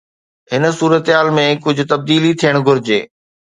هن صورتحال ۾ ڪجهه تبديلي ٿيڻ گهرجي.